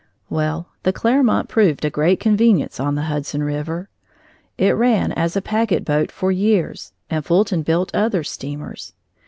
Well, the Clermont proved a great convenience on the Hudson River. It ran as a packet boat for years, and Fulton built other steamers.